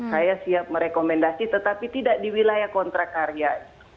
saya siap merekomendasi tetapi tidak di wilayah kontrak karya